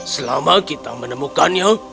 selama kita menemukannya